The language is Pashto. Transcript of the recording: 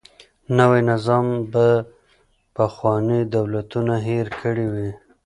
نوی نظام به پخواني دولتونه هیر کړي وي.